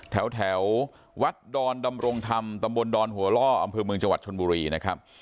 แถววัดดอนดำรงธรรมตำบลดอนหัวล่ออำเภอเมืองจังหวัดชนบุรีนะครับ